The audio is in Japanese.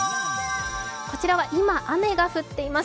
こちらは今、雨が降っています。